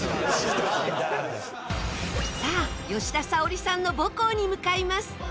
さあ吉田沙保里さんの母校に向かいます。